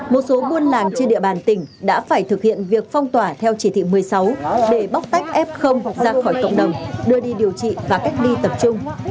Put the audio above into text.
một số buôn làng trên địa bàn tỉnh đã phải thực hiện việc phong tỏa theo chỉ thị một mươi sáu để bóc tách f ra khỏi cộng đồng đưa đi điều trị và cách ly tập trung